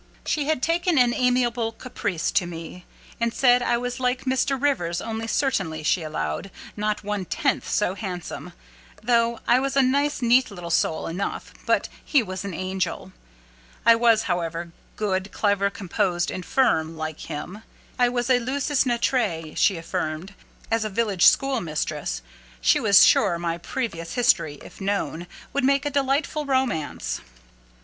She had taken an amiable caprice to me. She said I was like Mr. Rivers, only, certainly, she allowed, "not one tenth so handsome, though I was a nice neat little soul enough, but he was an angel." I was, however, good, clever, composed, and firm, like him. I was a lusus naturæ, she affirmed, as a village schoolmistress: she was sure my previous history, if known, would make a delightful romance.